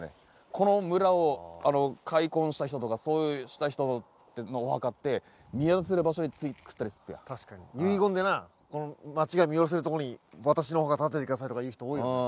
この村を開墾した人とかそうした人のお墓って見渡せる場所につくったりすっぺや確かに遺言でな町が見下ろせるとこに私のお墓建ててくださいとか言う人多いよな